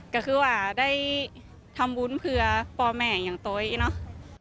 ก็คือว่าได้ทำบุญเพื่อพ่อแม่อย่างโต๊ยเนาะ